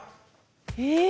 え